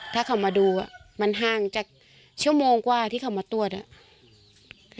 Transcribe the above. ถ้าเขามาดูอ่ะมันห่างจากชั่วโมงกว่าที่เขามาตรวจอ่ะ